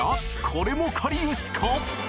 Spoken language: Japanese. これもかりゆしか？